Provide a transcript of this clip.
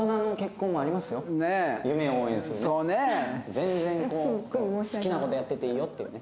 全然こう好きな事やってていいよっていうね。